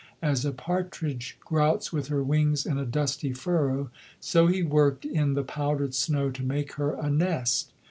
As a partridge grouts with her wings in a dusty furrow, so he worked in the powdered snow to make her a nest.